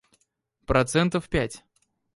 Процентов пять.